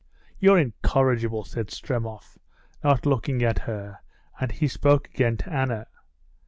"You're incorrigible," said Stremov, not looking at her, and he spoke again to Anna.